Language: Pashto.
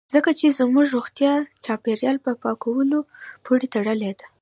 ځکه چې زموږ روغتیا د چاپیریال په پاکوالي پورې تړلې ده